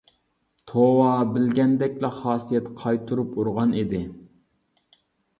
توۋا بىلگەندەكلا خاسىيەت قايتۇرۇپ ئۇرغان ئىدى.